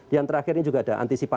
yang terakhir ini juga ada antisipasi